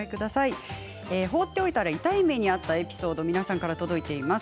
放っておいたら痛い目にあったエピソード届いています。